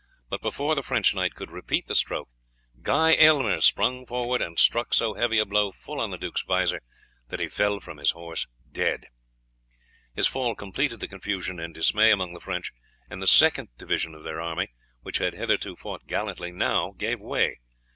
But before the French knight could repeat the stroke Guy Aylmer sprung forward and struck so heavy a blow full on the duke's vizor that he fell from his horse dead. His fall completed the confusion and dismay among the French, and the second division of their army, which had hitherto fought gallantly, now gave way.